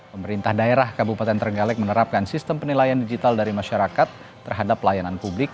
pemerintah daerah kabupaten terenggalek menerapkan sistem penilaian digital dari masyarakat terhadap pelayanan publik